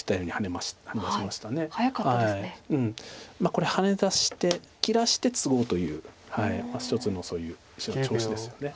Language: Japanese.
これハネ出して切らしてツごうという一つのそういう石の調子ですよね。